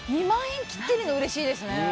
２万円切ってるの嬉しいですね。